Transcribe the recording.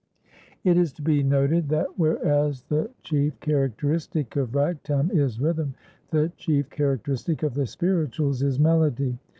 ] It is to be noted that whereas the chief characteristic of Ragtime is rhythm, the chief characteristic of the "spirituals" is melody.